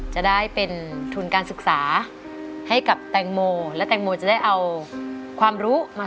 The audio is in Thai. จะได้เป็นทุนการศึกษาให้กับแตงโมและแตงโมจะได้เอาความรู้มา